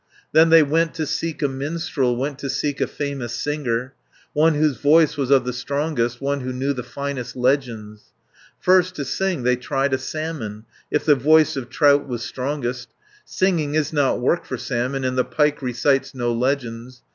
Then they went to seek a minstrel, Went to seek a famous singer, One whose voice was of the strongest, One who knew the finest legends. 530 First to sing they tried a salmon, If the voice of trout was strongest; Singing is not work for salmon, And the pike recites no legends.